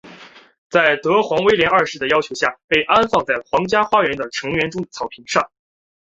在德皇威廉二世要求下被安放在皇家花园的橙园中的草坪上。